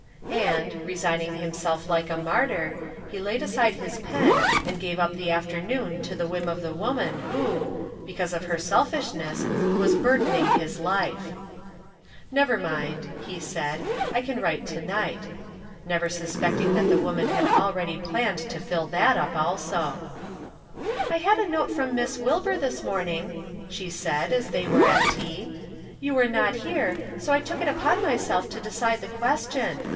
And, resigning himself like a martyr, he laid aside" his pen and gave up the afternoon to the whim of the woman who, because of her selfish ness, was burdening his life." " Never mind," he said, " I can write to night," never suspecting that the woman had already planned to fill up that also. " I had a note from Miss Wilbur this morning," she said, as they were at tea. " You were not here, so I took it upon myself to decide the ques tion.